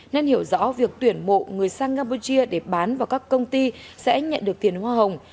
nên hiểu rõ việc tuyển mộ người sang campuchia để bán vào các công ty sẽ nhận được tiền hoa hồng